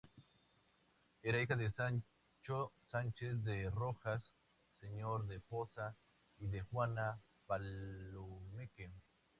Era hija de Sancho Sánchez de Rojas, señor de Poza, y de Juana Palomeque.